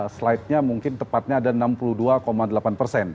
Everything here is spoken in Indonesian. slide nya mungkin tepatnya ada enam puluh dua delapan persen